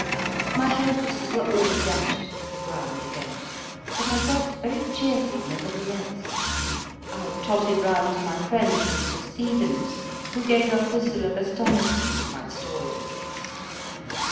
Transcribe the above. My hopes were all dashed to the ground again, but I felt JOHN STRANGE WINTER 251 very cheerful, nevertheless. I trotted round to my friend, Mr. Stevens, who gave a whistle of astonishment at my story.